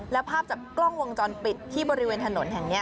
แล้วภาพจากกล้องวงจรปิดที่บริเวณถนนแห่งนี้